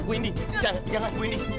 bu ini jangan bu ini